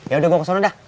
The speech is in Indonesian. yaudah gua ke sana dah